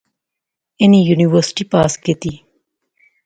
انی یونیورسٹی پاس کیتی